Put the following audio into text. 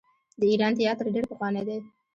د ایران تیاتر ډیر پخوانی دی.